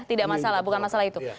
tidak masalah bukan masalah itu